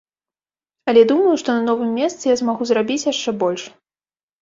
Але думаю, што на новым месцы я змагу зрабіць яшчэ больш.